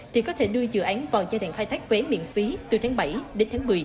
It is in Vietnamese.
thì có thể đưa dự án vào giai đoạn khai thác quế miễn phí từ tháng bảy đến tháng một mươi